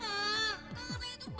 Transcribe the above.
orang orang ada bu